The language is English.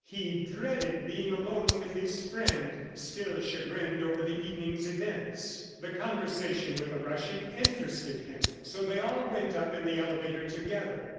He dreaded being alone with his friend, still chagrined over the evening's events. The conversation with the Russian interested him, so they all went up in the elevator together.